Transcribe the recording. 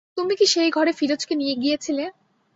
তুমি কি সেই ঘরে ফিরোজকে নিয়ে গিয়েছিলে?